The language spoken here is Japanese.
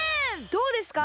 どうですか？